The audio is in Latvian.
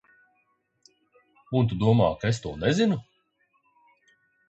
Un tu domā, ka es to nezinu?